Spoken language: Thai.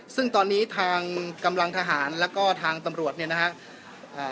ซึ่งตอนนี้ทางกำลังทหารแล้วก็ทางตำรวจเนี่ยนะฮะอ่า